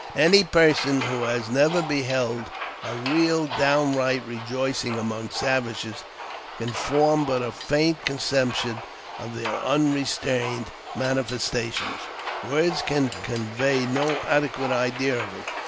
Any person who has never beheld a downright rejoicing among savages can form but a faint conception of their un restrained manifestations; words can convey no adequate idea of it.